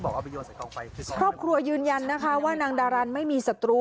ครอบครัวยืนยันนะคะว่านางดารันไม่มีสัตรู